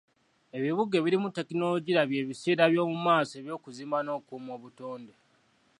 Ebibuga ebirimu tekinologiya by'ebiseera by'omu maaso eby'okuzimba n'okukuuma obutonde.